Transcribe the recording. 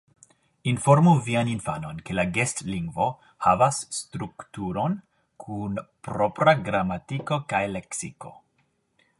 Informu vian infanon, ke la gestlingvo havas strukturon, kun propra gramatiko kaj leksiko.